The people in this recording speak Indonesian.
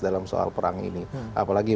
dalam soal perang ini apalagi